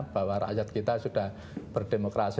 bahwa rakyat kita sudah berdemokrasi